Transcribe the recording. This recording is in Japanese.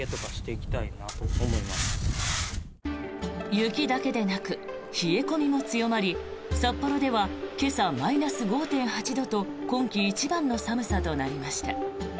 雪だけでなく冷え込みも強まり札幌では今朝マイナス５．８度と今季一番の寒さとなりました。